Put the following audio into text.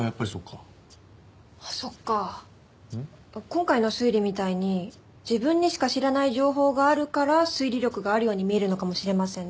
今回の推理みたいに自分にしか知らない情報があるから推理力があるように見えるのかもしれませんね。